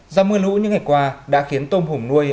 do mưa lũ những ngày qua đã khiến tôm hùm nuôi